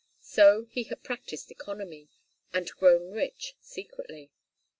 So he had practised economy, and grown rich secretly.